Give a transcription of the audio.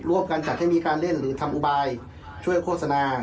รวบกันจากเทคนียมการเล่นหรือทำอุบายช่วยโฆษณา